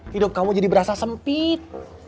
hidup kamu jadi berasa sempit